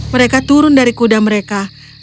mereka turun dari kuda mereka